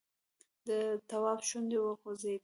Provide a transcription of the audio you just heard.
د تواب شونډې وخوځېدې!